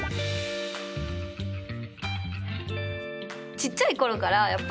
ちっちゃい頃からやっぱりその私